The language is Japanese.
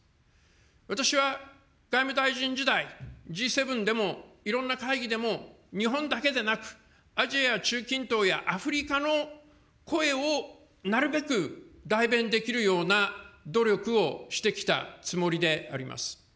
私は外務大臣時代、Ｇ７でもいろんな会議でも、日本だけでなく、アジアや中近東やアフリカの声をなるべく代弁できるような努力をしてきたつもりであります。